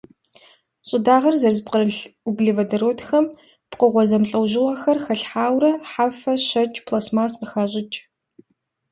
Щӏыдагъэр зэрызэпкърылъ углеводородхэм пкъыгъуэ зэмылӏэужьыгъуэхэр халъхьэурэ хьэфэ, щэкӏ, пластмасс къыхащӏыкӏ.